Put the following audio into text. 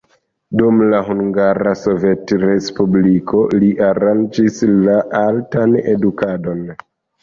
Dum la Hungara Sovetrespubliko li aranĝis la altan edukadon.